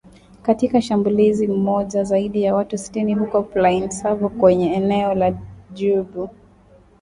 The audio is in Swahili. Katika shambulizi moja zaidi ya watu sitini huko Plaine Savo kwenye eneo la Djubu